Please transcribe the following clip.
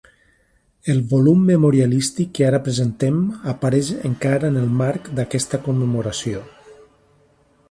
El volum memorialístic que ara presentem apareix encara en el marc d’aquesta commemoració.